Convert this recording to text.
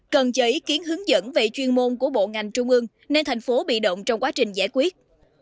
cần chờ ý kiến hướng dẫn về chuyên môn của bộ ngành trung ương nên thành phố bị động trong quá trình giải quyết